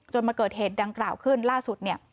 จนมาเกิดเหตุดังกล่าวขึ้นล่าสุด